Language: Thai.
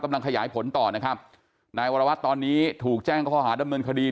กำลังขยายผลต่อนะครับนายวรวัตรตอนนี้ถูกแจ้งข้อหาดำเนินคดี